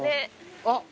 あっ。